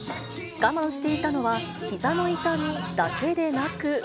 我慢していたのはひざの痛みだけでなく。